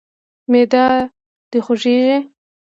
معده د خوږیږي؟